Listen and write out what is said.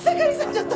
ちょっと。